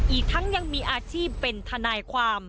อีกทั้งยังมีอาชีพเป็นทนายความ